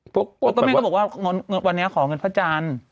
พวกพระเมนเขาบอกว่าวันเนี้ยขอเงินพระจันทร์